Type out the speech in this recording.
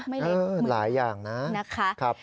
ไม่เล็กหลายอย่างนะ